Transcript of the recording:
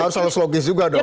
harus harus logis juga dong